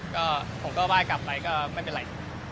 ก็ผมก็ไหว้กลับไปก็ไม่เป็นไร